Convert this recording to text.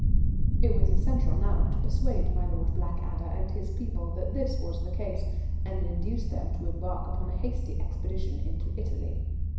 It was essential now to persuade my Lord Blackadder and his people that this was the case, and induce them to embark upon a hasty expedition into Italy.